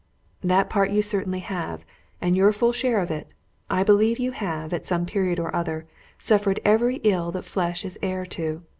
"That part you certainly have, and your full share of it. I believe you have, at some period or other, suffered every ill that flesh is heir to.